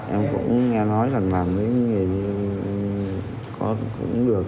em cũng nghe nói là mấy nghề gì có cũng được